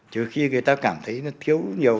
trừ khi người ta cảm thấy nó thiếu nhiều